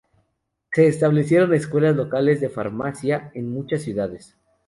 Se establecieron escuelas locales de farmacia en muchas ciudades.